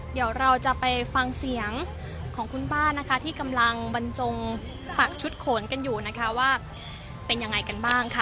เดี๋ยวเราจะไปฟังเสียงของคุณป้านะคะที่กำลังบรรจงปักชุดโขนกันอยู่นะคะว่าเป็นยังไงกันบ้างค่ะ